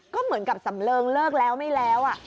ก็เหมือนกับสำเริงเลิกแล้วไม่แล้ว